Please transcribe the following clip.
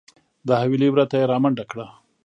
د حویلۍ وره ته یې رامنډه کړه .